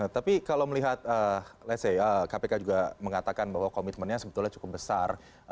tapi kalau melihat let's say kpk juga mengatakan bahwa komitmennya sebetulnya cukup besar